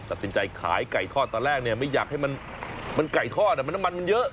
ตัดสินใจขายไก่ทอดตอนแรกเนี่ยไม่อยากให้มันไก่ทอดมันน้ำมันมันเยอะ